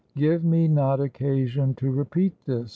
Give me not occasion to repeat this.